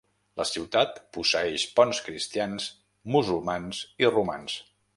La ciutat posseeix ponts cristians, musulmans i romans.